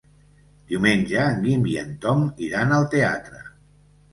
Diumenge en Guim i en Tom iran al teatre.